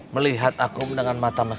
melihat aku dengan mata mesin